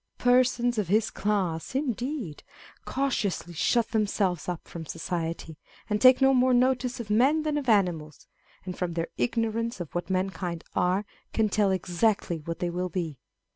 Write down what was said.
â€¢ Persons of his class, indeed, cautiously shut themselves up from society, and take no more notice of men than of animals : and from their ignorance of what mankind are, can tell exactly what they will be.